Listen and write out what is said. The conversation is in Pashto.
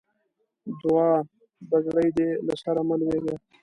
دوعا؛ بګړۍ دې له سره مه لوېږه.